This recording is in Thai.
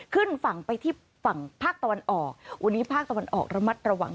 ขึ้นฝั่งไปที่ฝั่งภาคตะวันออกวันนี้ภาคตะวันออกระมัดระวัง